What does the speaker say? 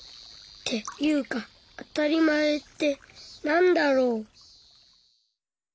っていうかあたりまえってなんだろう。